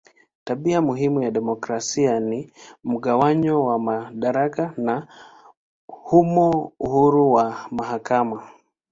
Tabia muhimu ya demokrasia ni mgawanyo wa madaraka na humo uhuru wa mahakama.